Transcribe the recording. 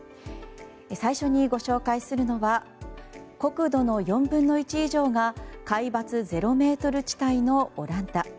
最初にご紹介するのは国土の４分の１以上が海抜０ｍ地帯のオランダ。